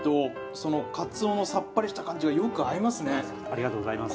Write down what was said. ありがとうございます。